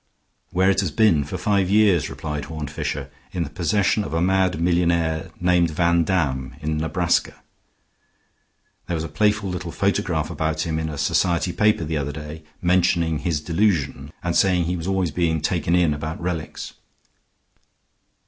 "Where it has been for five years," replied Horne Fisher, "in the possession of a mad millionaire named Vandam, in Nebraska. There was a playful little photograph about him in a society paper the other day, mentioning his delusion, and saying he was always being taken in about relics."